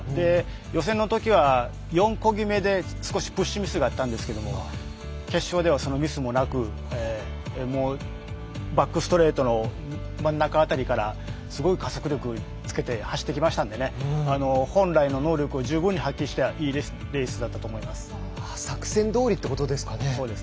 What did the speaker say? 予選のときは４こぎ目で少しプッシュミスがあったんですけれど決勝ではそのミスもなくバックストレートの中あたりからすごい加速力つけて走ってきましたので本来の能力を十分に発揮したいいレースだったと思います。